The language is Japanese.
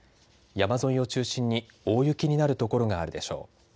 山沿いを中心に大雪になる所があるでしょう。